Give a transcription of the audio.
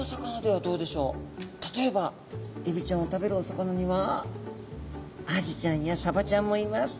例えばエビちゃんを食べるお魚にはアジちゃんやサバちゃんもいます。